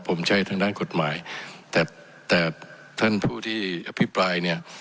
ผมใช้ทางด้านกฎหมายแต่แต่ท่านผู้ที่อภิปรายเนี่ย